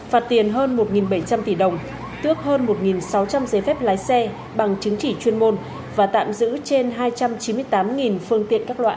phạt tiền hơn một bảy trăm linh tỷ đồng tước hơn một sáu trăm linh giấy phép lái xe bằng chứng chỉ chuyên môn và tạm giữ trên hai trăm chín mươi tám phương tiện các loại